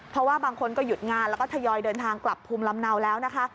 เพราะว่าบางคนก็หยุดงานแล้วก็ทยอยเดินทางกลับภูมิลำเนาแล้วนะคะ